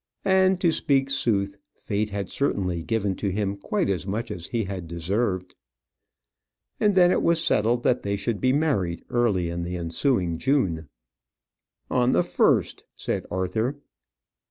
And to speak sooth, fate had certainly given to him quite as much as he had deserved. And then it was settled that they should be married early in the ensuing June. "On the first," said Arthur.